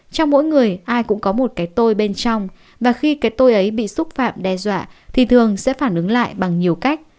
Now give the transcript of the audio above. trong mỗi người ai cũng có một cái tôi bên trong và khi cái tôi ấy bị xúc phạm đe dọa thì thường sẽ phản ứng lại bằng nhiều cách